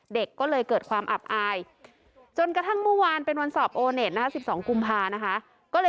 เด็กก็เลยเกิดความอับอายจนกระทั่งกันวั้นเป็นวันสอบโอเน็ต๑๒กุมภาคมนะคะ